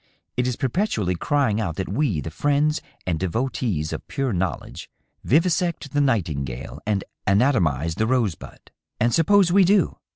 It is perpetually crying out that we, the friends and devotees of pure knowledge, vivisect the nightingale and anatomize the rosebud. And suppose we do